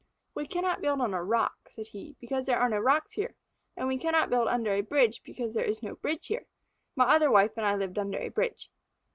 "We cannot build on a rock," said he, "because there are no rocks here, and we cannot build under a bridge because there is no bridge here. My other wife and I lived under a bridge."